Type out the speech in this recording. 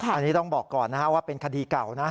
อันนี้ต้องบอกก่อนนะครับว่าเป็นคดีเก่านะ